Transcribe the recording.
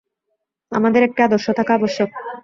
আমাদের একটি আদর্শ থাকা আবশ্যক।